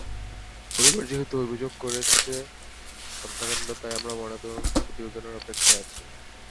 পরিবার যেহেতু অভিযোগ করছে হত্যাকাণ্ড, তাই আমরা ময়নাতদন্ত প্রতিবেদনের অপেক্ষায় আছি।